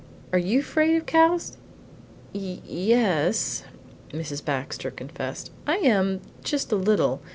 Are you fraid of cows?" "Ye e es," Mrs. Baxter confessed, "I am, just a little.